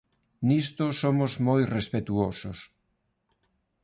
"Nisto somos moi respectuosos.